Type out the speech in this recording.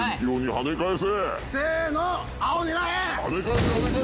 跳ね返せ